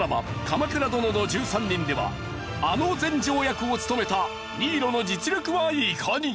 『鎌倉殿の１３人』では阿野全成役を務めた新納の実力はいかに！？